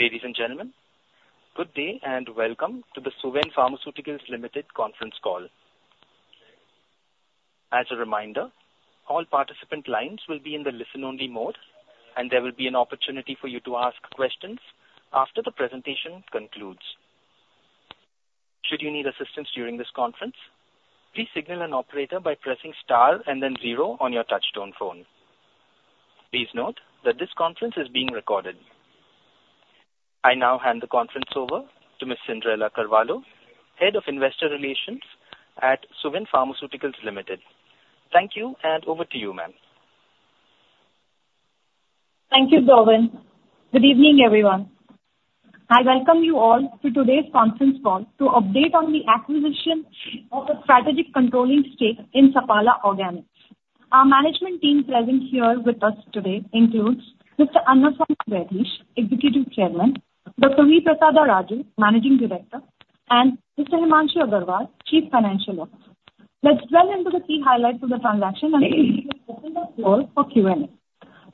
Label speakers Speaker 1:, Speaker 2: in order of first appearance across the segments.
Speaker 1: Ladies and gentlemen, good day and welcome to the Suven Pharmaceuticals Limited conference call. As a reminder, all participant lines will be in the listen-only mode, and there will be an opportunity for you to ask questions after the presentation concludes. Should you need assistance during this conference, please signal an operator by pressing star and then zero on your touchtone phone. Please note that this conference is being recorded. I now hand the conference over to Ms. Cyndrella Carvalho, Head of Investor Relations at Suven Pharmaceuticals Limited. Thank you, and over to you, ma'am.
Speaker 2: Thank you, Darwin. Good evening, everyone. I welcome you all to today's conference call to update on the acquisition of a strategic controlling stake in Sapala Organics. Our management team present here with us today includes Mr. Annaswamy Vaidheesh, Executive Chairman, Dr. Prasada Raju, Managing Director, and Mr. Himanshu Agarwal, Chief Financial Officer. Let's delve into the key highlights of the transaction and open the floor for Q&A.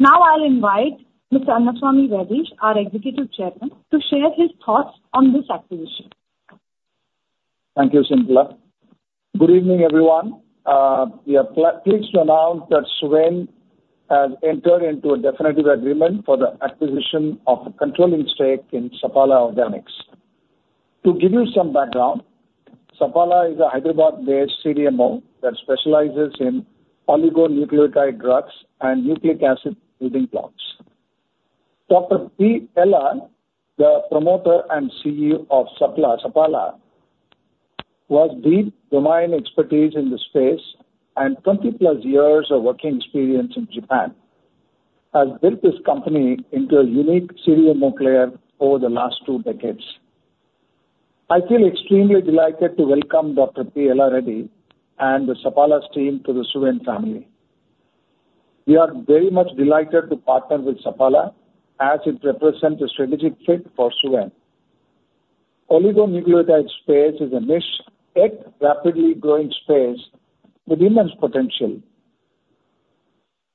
Speaker 2: Now I'll invite Mr. Annaswamy Vaidheesh, our Executive Chairman, to share his thoughts on this acquisition.
Speaker 3: Thank you, Cyndrella. Good evening, everyone. We are pleased to announce that Suven has entered into a definitive agreement for the acquisition of a controlling stake in Sapala Organics. To give you some background, Sapala is a Hyderabad-based CDMO that specializes in oligonucleotide drugs and nucleic acid building blocks. Dr. P. Yella, the promoter and CEO of Sapala, Sapala, was deep domain expertise in the space and 20+ years of working experience in Japan, has built this company into a unique CDMO player over the last two decades. I feel extremely delighted to welcome Dr. P. Yella Reddy and the Sapala's team to the Suven family. We are very much delighted to partner with Sapala, as it represents a strategic fit for Suven. Oligonucleotide space is a niche yet rapidly growing space with immense potential.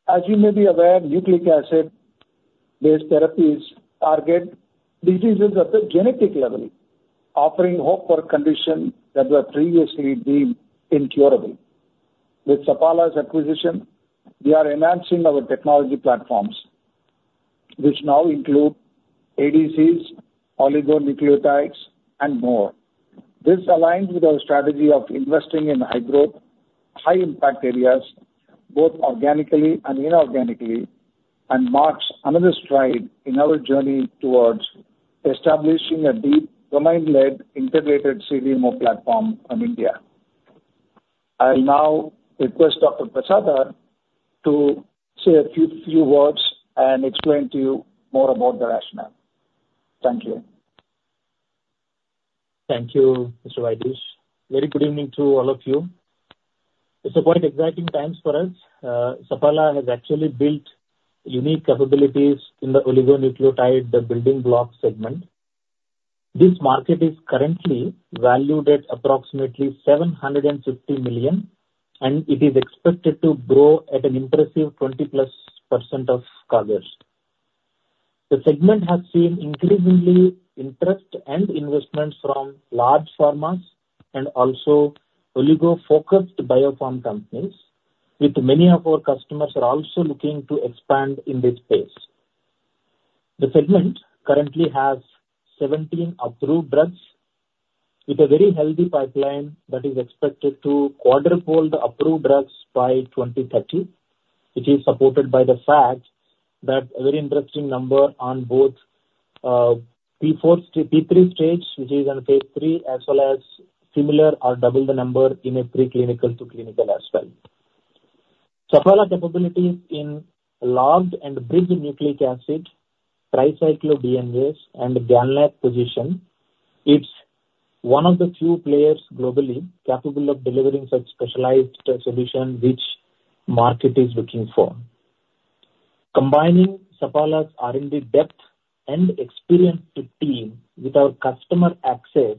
Speaker 3: As you may be aware, nucleic acid-based therapies target diseases at the genetic level, offering hope for conditions that were previously deemed incurable. With Sapala's acquisition, we are enhancing our technology platforms, which now include ADCs, oligonucleotides, and more. This aligns with our strategy of investing in high-growth, high-impact areas, both organically and inorganically, and marks another stride in our journey towards establishing a deep domain-led, integrated CDMO platform in India. I'll now request Dr. Prasada to say a few words and explain to you more about the rationale. Thank you.
Speaker 4: Thank you, Mr. Vaidheesh. Very good evening to all of you. It's a quite exciting times for us. Sapala has actually built unique capabilities in the oligonucleotide, the building block segment. This market is currently valued at approximately $750 million, and it is expected to grow at an impressive 20%+ CAGR. The segment has seen increasing interest and investments from large pharmas and also oligo-focused biopharm companies, with many of our customers are also looking to expand in this space. The segment currently has 17 approved drugs, with a very healthy pipeline that is expected to quadruple the approved drugs by 2030. It is supported by the fact that a very interesting number on both, Phase IV, Phase III stage, which is in phase three, as well as similar or double the number in a preclinical to clinical as well. Sapala's capabilities in LNA and BNA nucleic acid, tricyclic DNAs, and GalNAc positioning, it's one of the few players globally capable of delivering such specialized solution which market is looking for. Combining Sapala's R&D depth and experienced team with our customer access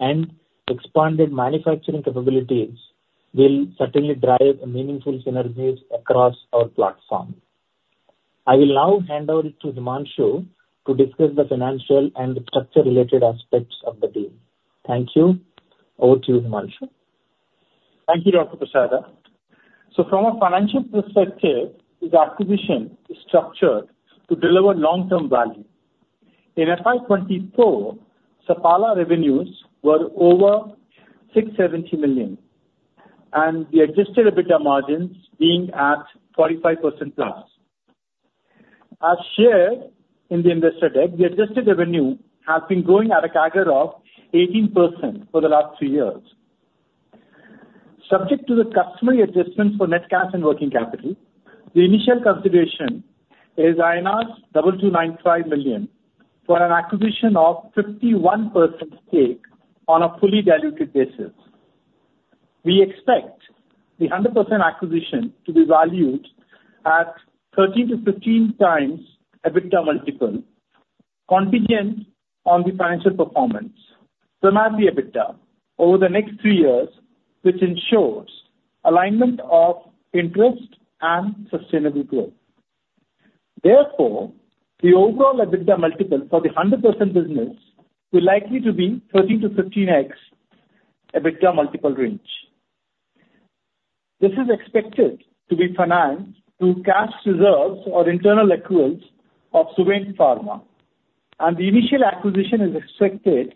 Speaker 4: and expanded manufacturing capabilities will certainly drive meaningful synergies across our platform. I will now hand over to Himanshu to discuss the financial and structure-related aspects of the deal. Thank you. Over to you, Himanshu.
Speaker 5: Thank you, Dr. Prasada. So from a financial perspective, the acquisition is structured to deliver long-term value. In FY 2024, Sapala revenues were over 670 million, and the adjusted EBITDA margins being at 45%+. As shared in the investor deck, the adjusted revenue has been growing at a CAGR of 18% for the last three years. Subject to the customary adjustments for net cash and working capital, the initial consideration is INR 2,295 million, for an acquisition of 51% stake on a fully diluted basis. We expect the 100% acquisition to be valued at 13-15x EBITDA multiple....
Speaker 4: contingent on the financial performance, there might be EBITDA over the next three years, which ensures alignment of interest and sustainable growth. Therefore, the overall EBITDA multiple for the 100% business will likely to be 13-15x EBITDA multiple range. This is expected to be financed through cash reserves or internal accruals of Suven Pharma, and the initial acquisition is expected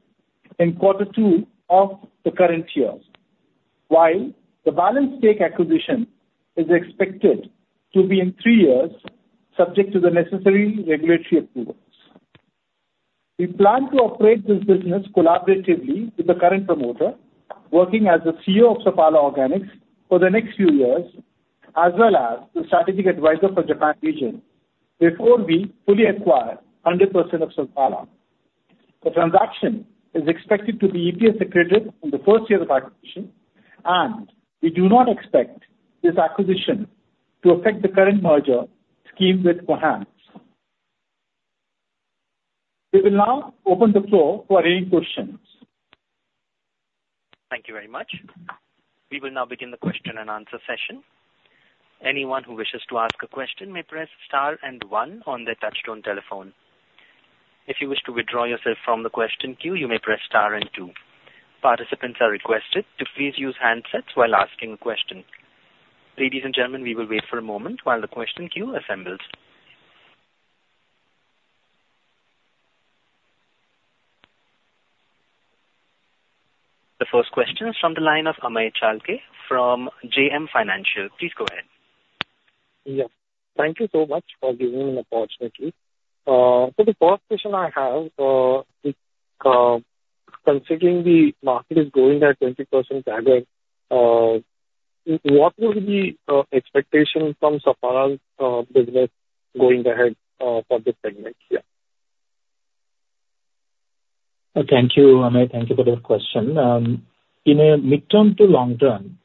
Speaker 4: in quarter two of the current year, while the balance stake acquisition is expected to be in three years, subject to the necessary regulatory approvals. We plan to operate this business collaboratively with the current promoter, working as the CEO of Sapala Organics for the next few years, as well as the strategic advisor for Japan region before we fully acquire 100% of Sapala. The transaction is expected to be EPS accretive in the first year of acquisition, and we do not expect this acquisition to affect the current merger scheme with Cohance. We will now open the floor for any questions.
Speaker 1: Thank you very much. We will now begin the question and answer session. Anyone who wishes to ask a question may press star and one on their touchtone telephone. If you wish to withdraw yourself from the question queue, you may press star and two. Participants are requested to please use handsets while asking a question. Ladies and gentlemen, we will wait for a moment while the question queue assembles. The first question is from the line of Amey Chalke from JM Financial. Please go ahead.
Speaker 6: Yeah. Thank you so much for giving me the opportunity. So the first question I have is, considering the market is growing at 20% CAGR, what will be expectation from Sapala's business going ahead, for this segment? Yeah.
Speaker 4: Thank you, Amey. Thank you for your question. In a midterm to long term,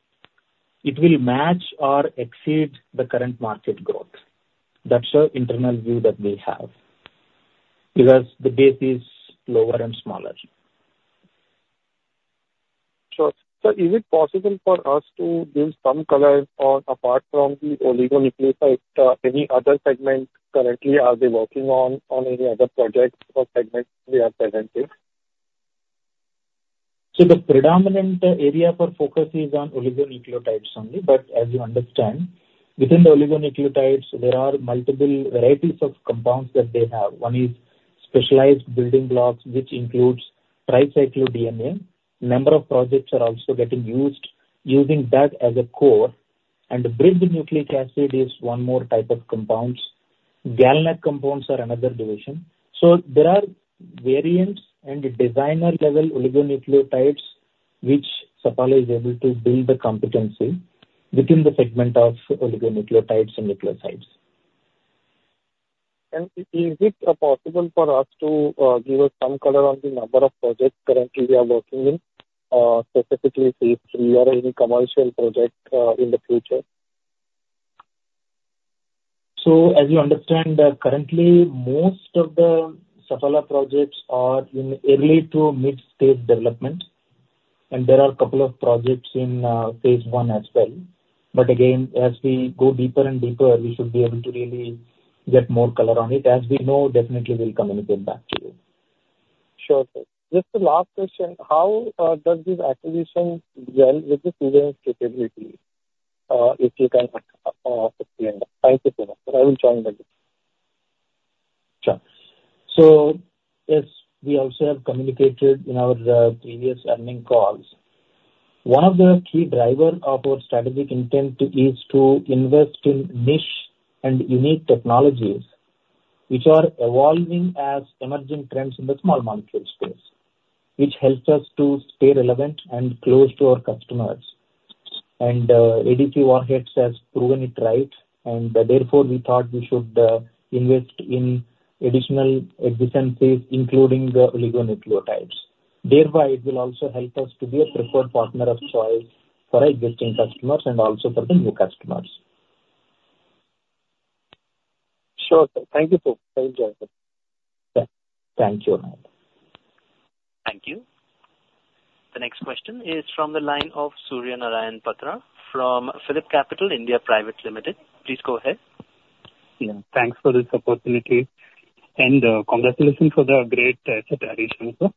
Speaker 4: it will match or exceed the current market growth. That's our internal view that we have, because the base is lower and smaller.
Speaker 6: Sure. Sir, is it possible for us to give some color on, apart from the oligonucleotide, any other segment currently are they working on, on any other projects or segments they are present in?
Speaker 4: So the predominant area for focus is on oligonucleotides only, but as you understand, within the oligonucleotides, there are multiple varieties of compounds that they have. One is specialized building blocks, which includes tricyclic DNA. Number of projects are also getting used, using that as a core, and the bridged nucleic acid is one more type of compounds. GalNAc compounds are another division. So there are variants and designer-level oligonucleotides which Sapala is able to build the competency within the segment of oligonucleotides and nucleosides.
Speaker 6: Is it possible for us to give us some color on the number of projects currently we are working in, specifically phase three or any commercial project in the future?
Speaker 4: So as you understand, currently, most of the Sapala projects are in early to mid-stage development, and there are a couple of projects in phase one as well. But again, as we go deeper and deeper, we should be able to really get more color on it. As we know, definitely we'll communicate back to you.
Speaker 6: Sure, sir. Just the last question: How does this acquisition gel with the Suven capability? If you can. Thank you so much, and I will join the next.
Speaker 4: Sure. So as we also have communicated in our previous earnings calls, one of the key driver of our strategic intent is to invest in niche and unique technologies which are evolving as emerging trends in the small molecule space, which helps us to stay relevant and close to our customers. And, ADC warheads has proven it right, and therefore, we thought we should invest in additional adjacencies, including the oligonucleotides. Thereby, it will also help us to be a preferred partner of choice for our existing customers and also for the new customers.
Speaker 6: Sure, sir. Thank you, sir. Thank you.
Speaker 4: Yeah. Thank you, Amey.
Speaker 1: Thank you. The next question is from the line of Surya Narayan Patra from PhillipCapital. Please go ahead.
Speaker 7: Yeah, thanks for this opportunity, and, congratulations for the great acquisition, sir.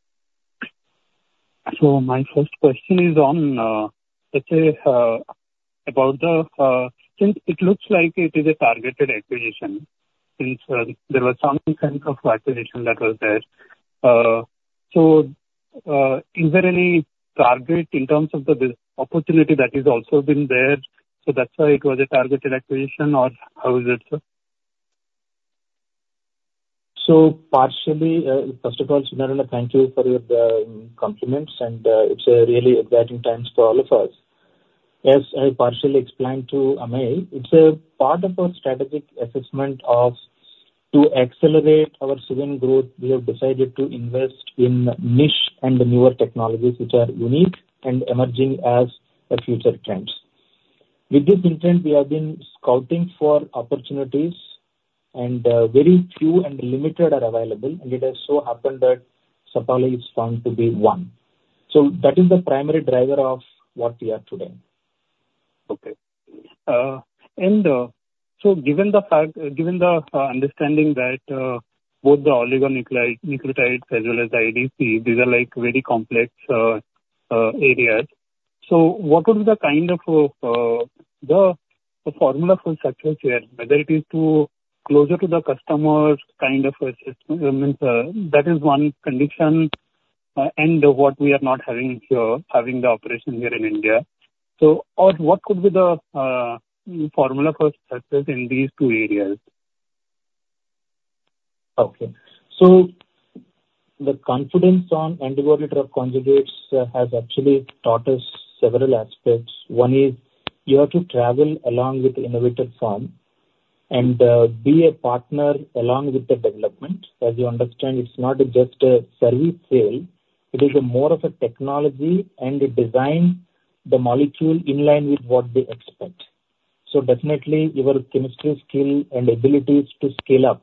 Speaker 7: So my first question is on, let's say, about the, since it looks like it is a targeted acquisition, since there was some sense of acquisition that was there. So, is there any target in terms of the business opportunity that is also been there, so that's why it was a targeted acquisition, or how is it, sir?
Speaker 4: So partially, first of all, Suryanarayan, thank you for your compliments, and it's a really exciting times for all of us. As I partially explained to Amey, it's a part of our strategic assessment of... To accelerate our Suven growth, we have decided to invest in niche and newer technologies which are unique and emerging as the future trends.... With this intent, we have been scouting for opportunities, and very few and limited are available, and it has so happened that Sapala is found to be one. So that is the primary driver of what we are doing.
Speaker 7: Okay. So given the fact, given the understanding that both the oligonucleotides as well as the ADC, these are like very complex areas. So what would be the kind of the formula for success here, whether it is to be closer to the customers? That is one condition, and what we are not having here, having the operation here in India. So or what could be the formula for success in these two areas?
Speaker 4: Okay. So the confidence on antibody-drug conjugates has actually taught us several aspects. One is you have to travel along with the innovative firm and be a partner along with the development. As you understand, it's not just a service sale, it is a more of a technology and a design the molecule in line with what they expect. So definitely, your chemistry skill and abilities to scale up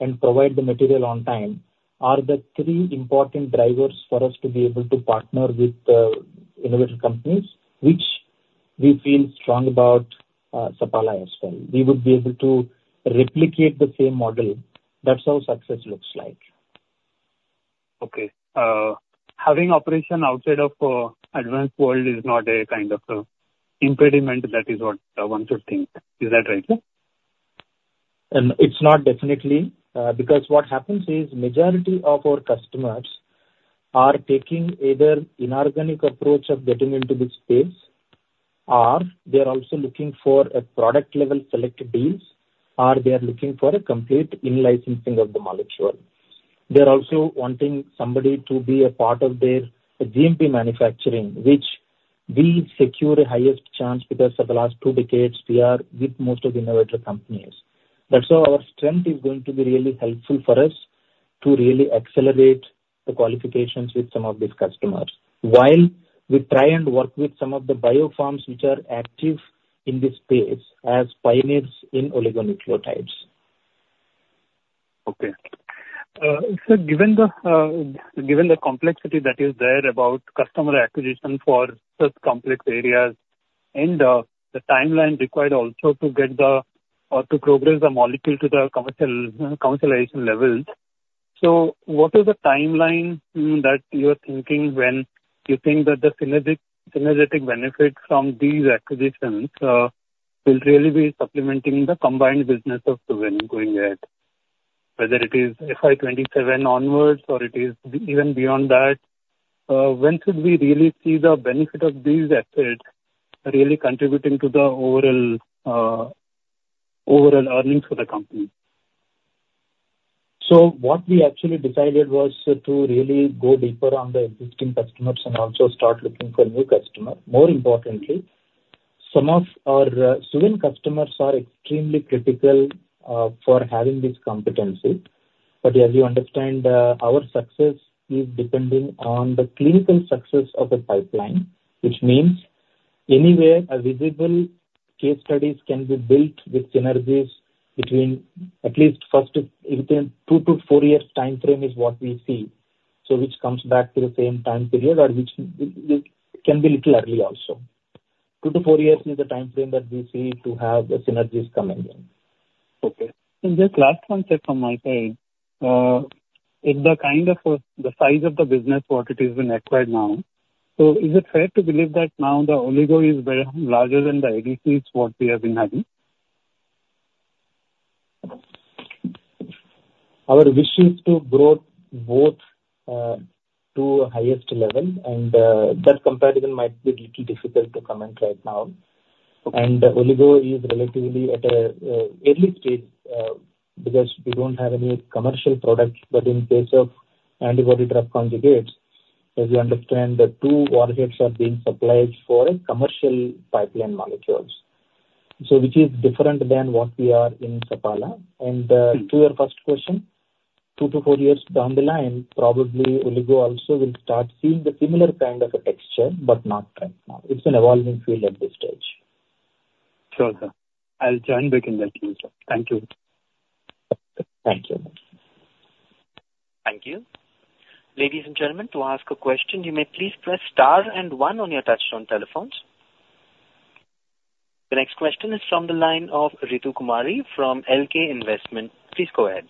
Speaker 4: and provide the material on time are the three important drivers for us to be able to partner with the innovative companies, which we feel strong about, Sapala as well. We would be able to replicate the same model. That's how success looks like.
Speaker 7: Okay. Having operation outside of advanced world is not a kind of impediment, that is what one should think. Is that right, sir?
Speaker 4: It's not definitely, because what happens is majority of our customers are taking either inorganic approach of getting into this space, or they are also looking for a product level select deals, or they are looking for a complete in-licensing of the molecule. They're also wanting somebody to be a part of their GMP manufacturing, which we secure the highest chance because for the last two decades, we are with most of innovative companies. That's how our strength is going to be really helpful for us to really accelerate the qualifications with some of these customers, while we try and work with some of the bio firms which are active in this space as pioneers in oligonucleotides.
Speaker 7: Okay. Sir, given the complexity that is there about customer acquisition for such complex areas and the timeline required also to get or to progress the molecule to the commercialization levels, so what is the timeline that you are thinking when you think that the synergetic benefit from these acquisitions will really be supplementing the combined business of Suven going ahead? Whether it is FY 27 onwards or it is even beyond that, when should we really see the benefit of these efforts really contributing to the overall earnings for the company?
Speaker 4: So what we actually decided was to really go deeper on the existing customers and also start looking for new customers. More importantly, some of our Suven customers are extremely critical for having this competency. But as you understand, our success is depending on the clinical success of the pipeline, which means anywhere a visible case studies can be built with synergies between at least first within 2-4 years time frame is what we see. So which comes back to the same time period or which can be little early also. 2-4 years is the time frame that we see to have the synergies coming in.
Speaker 7: Okay. And just last one check from my side. If the kind of, the size of the business, what it has been acquired now, so is it fair to believe that now the oligo is very larger than the ADCs what we have been having?
Speaker 4: Our wish is to grow both, to highest level, and, that comparison might be little difficult to comment right now.
Speaker 7: Okay.
Speaker 4: Oligo is relatively at an early stage, because we don't have any commercial products, but in case of antibody-drug conjugates, as you understand, the two warheads are being supplied for commercial pipeline molecules. Which is different than what we are in Sapala.
Speaker 7: Mm.
Speaker 4: To your first question, 2-4 years down the line, probably oligo also will start seeing the similar kind of a texture, but not right now. It's an evolving field at this stage.
Speaker 7: Sure, sir. I'll join back in the future. Thank you.
Speaker 4: Thank you.
Speaker 1: Thank you. Ladies and gentlemen, to ask a question, you may please press star and one on your touchtone telephones. The next question is from the line of Ritu Kumari from LK Investment. Please go ahead.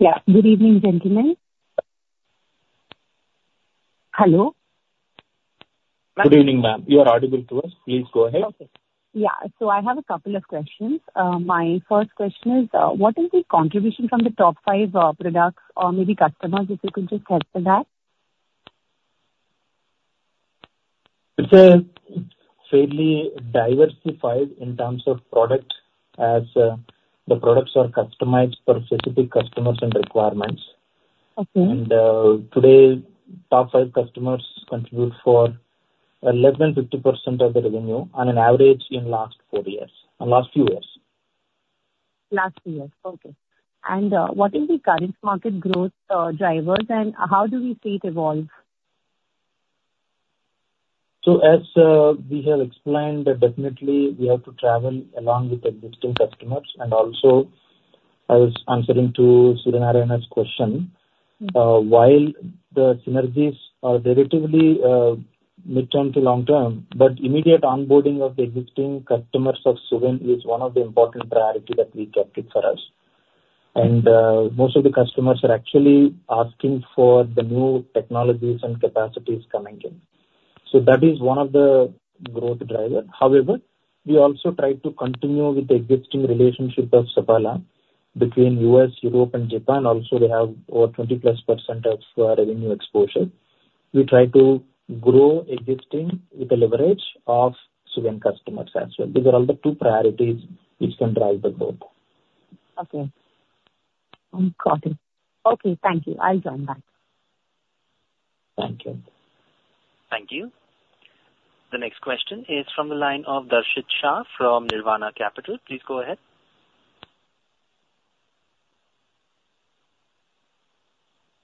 Speaker 8: Yeah. Good evening, gentlemen. Hello?
Speaker 4: Good evening, ma'am. You are audible to us. Please go ahead.
Speaker 8: Okay. Yeah, so I have a couple of questions. My first question is, what is the contribution from the top five products or maybe customers, if you could just help with that?
Speaker 4: It's fairly diversified in terms of product, as the products are customized for specific customers and requirements.
Speaker 8: Okay.
Speaker 4: Today, top five customers contribute for 11%-50% of the revenue on an average in last four years, on last few years....
Speaker 8: last few years. Okay. And, what is the current market growth, drivers, and how do we see it evolve?
Speaker 4: So, as we have explained, that definitely we have to travel along with existing customers, and also I was answering to Surya Narayan's question. While the synergies are relatively midterm to long term, but immediate onboarding of the existing customers of Suven is one of the important priority that we kept it for us. And, most of the customers are actually asking for the new technologies and capacities coming in. So that is one of the growth driver. However, we also try to continue with the existing relationship of Sapala between US., Europe, and Japan. Also, we have over 20+% of our revenue exposure. We try to grow existing with the leverage of Suven customers as well. These are all the two priorities which can drive the growth.
Speaker 8: Okay. Got it. Okay, thank you. I'll join back.
Speaker 4: Thank you.
Speaker 1: Thank you. The next question is from the line of Darshit Shah from Nirvana Capital. Please go ahead.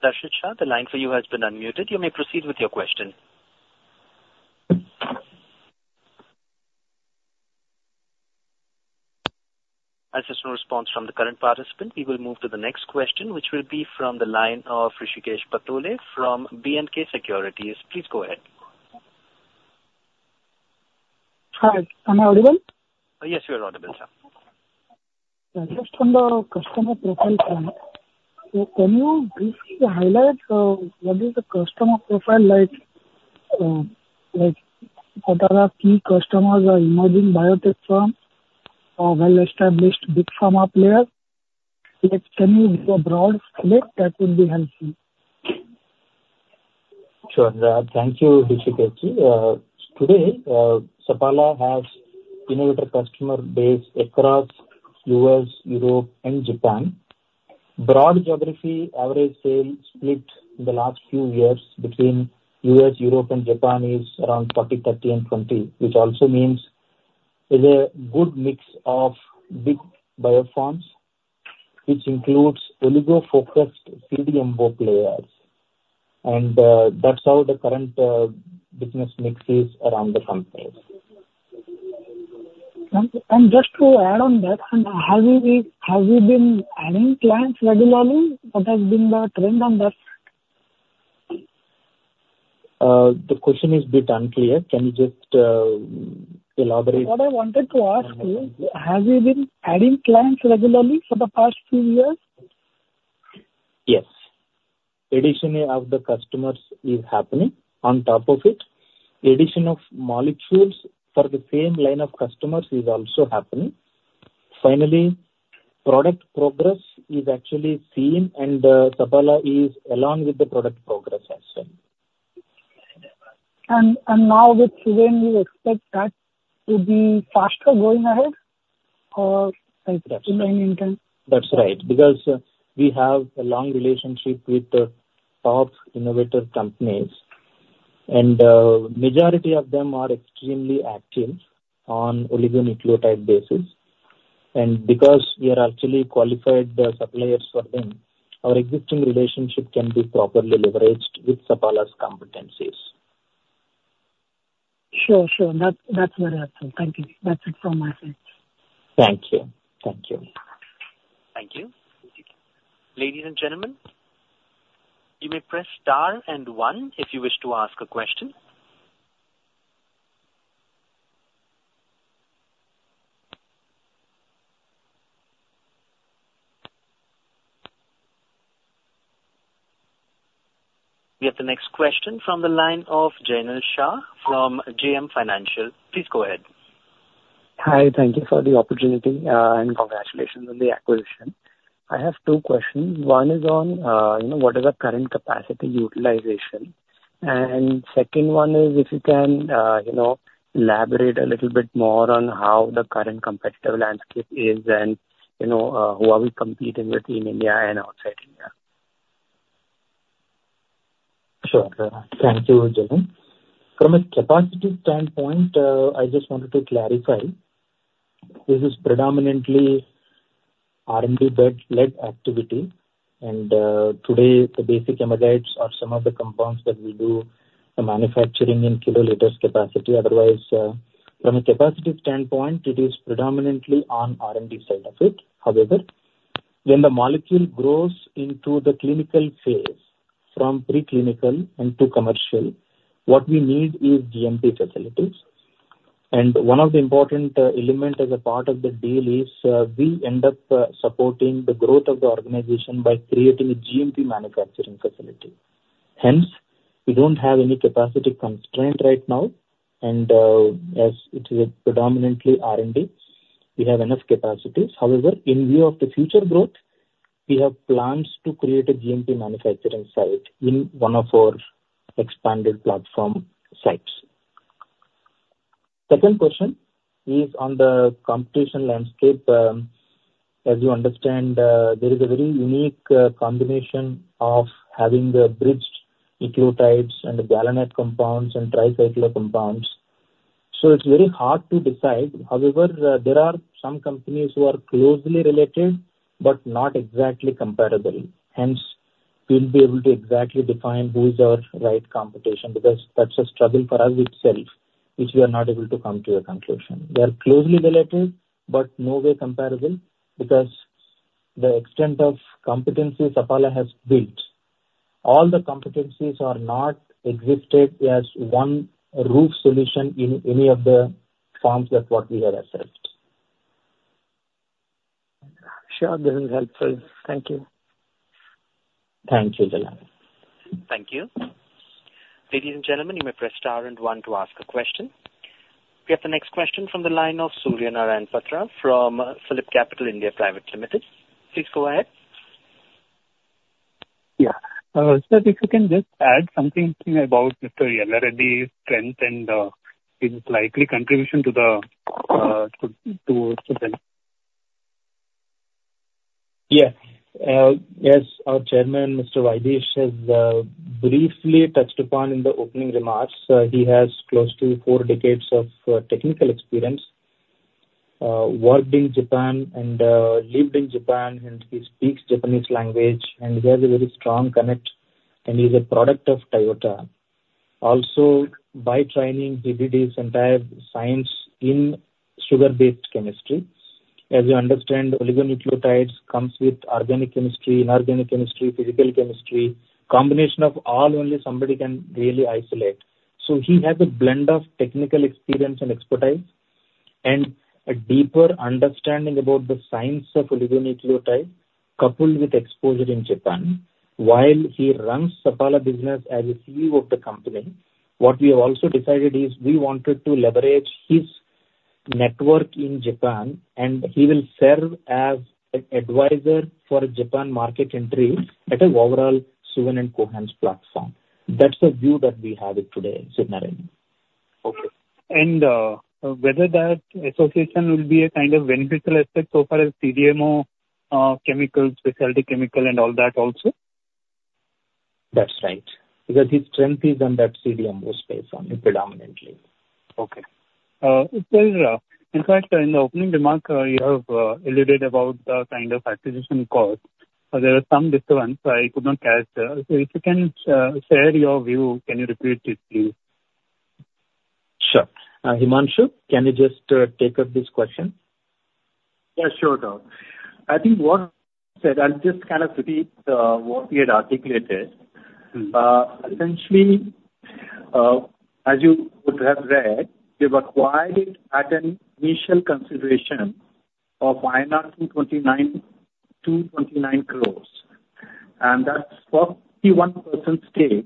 Speaker 1: Darshit Shah, the line for you has been unmuted. You may proceed with your question. As there's no response from the current participant, we will move to the next question, which will be from the line of Hrishikesh Patole from BNK Securities. Please go ahead.
Speaker 9: Hi, am I audible?
Speaker 1: Yes, you are audible, sir.
Speaker 9: Just from the customer profile side, so can you briefly highlight, what is the customer profile like? Like, what are our key customers or emerging biotech firms or well-established big pharma players? Like, can you give a broad split, that would be helpful.
Speaker 4: Sure. Thank you, Hrishikesh. Today, Sapala has innovative customer base across U.S., Europe, and Japan. Broad geography, average sales split in the last few years between U.S., Europe, and Japan is around 40, 30, and 20, which also means there's a good mix of big bio firms, which includes oligo-focused CDMO players. That's how the current business mix is around the country.
Speaker 9: Just to add on that, have you been adding clients regularly? What has been the trend on that?
Speaker 4: The question is bit unclear. Can you just, elaborate?
Speaker 9: What I wanted to ask is, have you been adding clients regularly for the past few years?
Speaker 4: Yes. Addition of the customers is happening. On top of it, addition of molecules for the same line of customers is also happening. Finally, product progress is actually seen, and Sapala is along with the product progress as well.
Speaker 9: And now with Suven, you expect that to be faster going ahead, or like remaining intact?
Speaker 4: That's right, because we have a long relationship with the top innovative companies, and majority of them are extremely active on oligonucleotide basis. Because we are actually qualified suppliers for them, our existing relationship can be properly leveraged with Sapala's competencies.
Speaker 9: Sure, sure. That's, that's very helpful. Thank you. That's it from my side.
Speaker 4: Thank you. Thank you.
Speaker 1: Thank you. Ladies and gentlemen, you may press star and one if you wish to ask a question. We have the next question from the line of Jainil Shah from JM Financial. Please go ahead.
Speaker 10: Hi, thank you for the opportunity, and congratulations on the acquisition. I have two questions. One is on, you know, what is the current capacity utilization? And second one is if you can, you know, elaborate a little bit more on how the current competitive landscape is and, you know, who are we competing with in India and outside India?
Speaker 4: Sure. Thank you, Jainil. From a capacity standpoint, I just wanted to clarify, this is predominantly R&D-led activity, and, today, the basic analogs are some of the compounds that we do the manufacturing in kiloliters capacity. Otherwise, from a capacity standpoint, it is predominantly on R&D side of it. However, when the molecule grows into the clinical phase, from preclinical into commercial, what we need is GMP facilities. And one of the important element as a part of the deal is, we end up supporting the growth of the organization by creating a GMP manufacturing facility. Hence, we don't have any capacity constraint right now, and, as it is a predominantly R&D, we have enough capacities. However, in view of the future growth, we have plans to create a GMP manufacturing site in one of our expanded platform sites. Second question is on the competition landscape. As you understand, there is a very unique combination of having the bridged nucleotides and the GalNAc compounds and tricyclic compounds.... So it's very hard to decide. However, there are some companies who are closely related, but not exactly comparable. Hence, we'll be able to exactly define who is our right competition, because that's a struggle for us itself, which we are not able to come to a conclusion. They are closely related, but no way comparable, because the extent of competencies Sapala has built, all the competencies are not existed as one roof solution in any of the firms that what we have assessed.
Speaker 10: Sure, this is helpful. Thank you.
Speaker 4: Thank you, Jalal.
Speaker 1: Thank you. Ladies and gentlemen, you may press star and one to ask a question. We have the next question from the line of Surya Narayan Patra, from PhillipCapital India Private Limited. Please go ahead.
Speaker 7: Yeah. Sir, if you can just add something about Mr. Yella Reddy's strength and his likely contribution to them?
Speaker 4: Yeah. As our Chairman, Mr. Vaidheesh, has briefly touched upon in the opening remarks, he has close to four decades of technical experience. Worked in Japan and lived in Japan, and he speaks Japanese language, and we have a very strong connect, and he's a product of Toyota. Also, by training, he did his entire science in sugar-based chemistry. As you understand, oligonucleotides comes with organic chemistry, inorganic chemistry, physical chemistry. Combination of all, only somebody can really isolate. So he has a blend of technical experience and expertise, and a deeper understanding about the science of oligonucleotide, coupled with exposure in Japan. While he runs Sapala business as a CEO of the company, what we have also decided is we wanted to leverage his network in Japan, and he will serve as an advisor for Japan market entry at an overall Suven and Cohance platform. That's the view that we have it today, Surya Narayan.
Speaker 7: Okay. And whether that association will be a kind of beneficial effect so far as CDMO, chemical, specialty chemical, and all that also?
Speaker 4: That's right. Because his strength is on that CDMO space only, predominantly.
Speaker 7: Okay. In fact, in the opening remark, you have alluded about the kind of acquisition cost. There are some disturbance, so I could not catch the... So if you can share your view, can you repeat it, please?
Speaker 4: Sure. Himanshu, can you just take up this question?
Speaker 5: Yeah, sure, sir. I think what said, I'll just kind of repeat, what we had articulated.
Speaker 7: Mm-hmm.
Speaker 5: Essentially, as you would have read, we acquired at an initial consideration of INR 229, 229 crores, and that's 41% stake.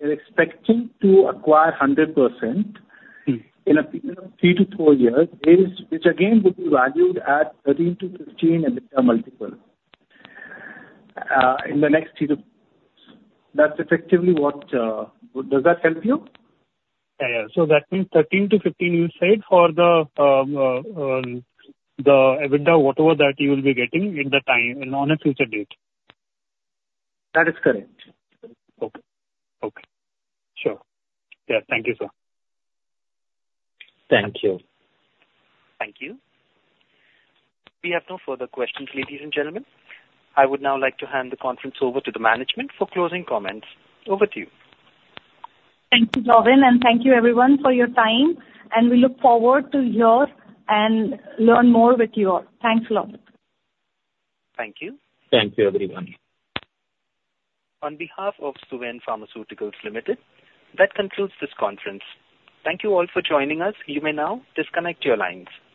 Speaker 5: We're expecting to acquire 100%-
Speaker 7: Mm.
Speaker 5: - in a period of 3-4 years, is, which again, would be valued at 13-15 EBITDA multiple, in the next three to ... That's effectively what... Does that help you?
Speaker 7: Yeah. Yeah. So that means 13-15, you said, for the EBITDA, whatever that you will be getting in the time and on a future date?
Speaker 5: That is correct.
Speaker 7: Okay. Okay. Sure. Yeah. Thank you, sir.
Speaker 4: Thank you.
Speaker 1: Thank you. We have no further questions, ladies and gentlemen. I would now like to hand the conference over to the management for closing comments. Over to you.
Speaker 2: Thank you, Robin, and thank you everyone for your time, and we look forward to hear and learn more with you all. Thanks a lot.
Speaker 1: Thank you.
Speaker 4: Thank you, everyone.
Speaker 1: On behalf of Suven Pharmaceuticals Limited, that concludes this conference. Thank you all for joining us. You may now disconnect your lines.